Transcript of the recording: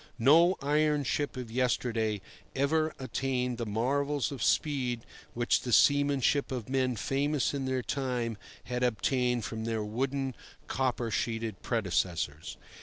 No iron ship of yesterday ever attained the marvels of speed which the seamanship of men famous in their time had obtained from their wooden, copper sheeted predecessors.